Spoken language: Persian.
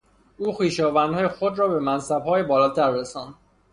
او خویشاوندان خود را به منصبهای بالاتر رساند.